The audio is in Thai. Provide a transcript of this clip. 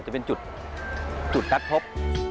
จะเป็นจุดนัดพบ